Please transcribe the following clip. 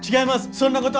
そんなことは。